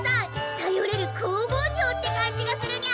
たよれる工房長って感じがするにゃ。